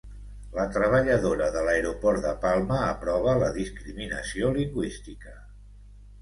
La treballadora de l'aeroport de Palma aprova la discriminació lingüística